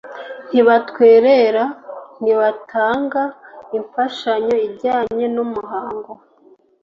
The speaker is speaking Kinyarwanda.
ntibatwerera, ntibanatanga imfashanyo ijyanye n‘ umuhango.